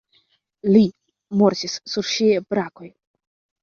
Li mortis sur ŝiaj brakoj.